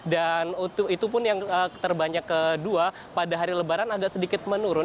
dan itu pun yang terbanyak kedua pada hari lebaran agak sedikit menurun